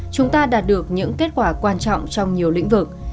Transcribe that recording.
chúng ta đạt được những kết quả quan trọng trong nhiều lĩnh vực